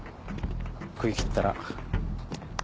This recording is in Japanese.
食い切ったら。